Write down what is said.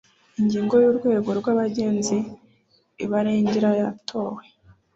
ingingo y’urwego rw’abagenzi ibarengera yatowe